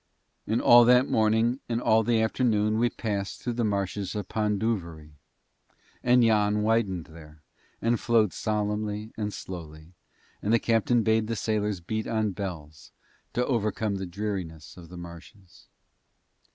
And all that morning and all the afternoon we passed through the marshes of Pondoovery; and Yann widened there, and flowed solemnly and slowly, and the captain bade the sailors beat on bells to overcome the dreariness of the marshes.